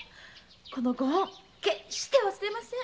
このご恩決して忘れません。